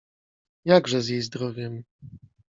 — Jakże z jej zdrowiem?